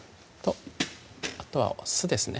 あとはお酢ですね